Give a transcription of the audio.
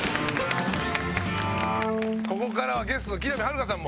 ここからはゲストの木南晴夏さんも。